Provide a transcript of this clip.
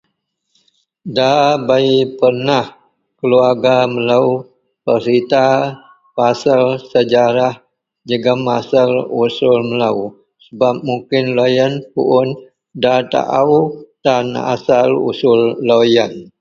dabei pernah kerluarga melou peserita pasel Sejarah jegum asel usul melou sebab mungkin loyien pun mungkin dataau tan asel usul loyien